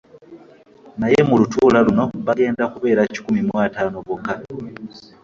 Naye mu lutuula luno bagenda kubeera kikumi mu ataano bokka.